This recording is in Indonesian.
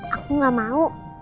aku gak mau